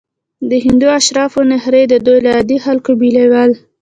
د هندو اشرافو نخرې دوی له عادي خلکو بېلول.